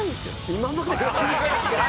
「今まで」。